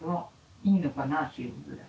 いいのかなあっていうぐらい。